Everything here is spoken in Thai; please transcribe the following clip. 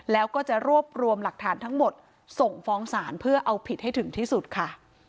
แล้วก็จะรวบรวมหลักฐานทั้งหมดส่งฟ้องศาลเพื่อเอาผิดให้ถึงที่สุดค่ะ